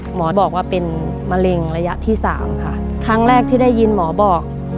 หมอบอกว่าเป็นมะเร็งระยะที่สามค่ะครั้งแรกที่ได้ยินหมอบอก